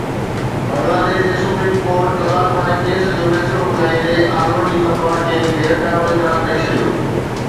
بنگلاديش جي supreme court طلاق واري ڪيس جو فيصلو ٻڌائيندي عالمن جي فتويٰ کي غير قانوني قرار ڏئي ڇڏيو